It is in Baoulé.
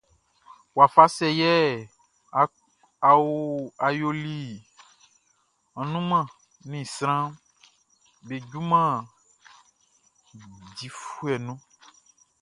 Wafa sɛ yɛ ɔ yoli annunman ni sranʼm be junman difuɛ mun?